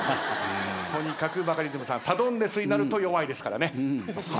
とにかくバカリズムさんサドンデスになると弱いですからね。